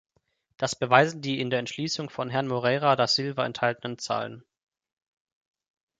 Das beweisen die in der Entschließung von Herrn Moreira da Silva enthaltenen Zahlen.